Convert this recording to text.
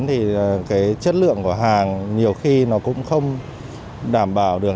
thì cái chất lượng của hàng nhiều khi nó cũng không đảm bảo được